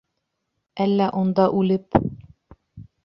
Әллә унда үлеп...